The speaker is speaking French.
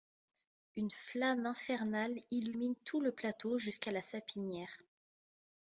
Une flamme infernale illumine tout le plateau jusqu’à la sapinière...